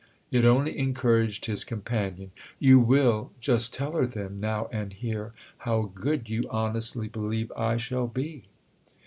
It only encouraged his companion. "You will just tell her then, now and here, how good you honestly believe I shall be?"